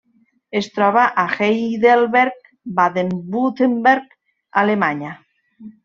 Es troba a Heidelberg, Baden-Württemberg, Alemanya.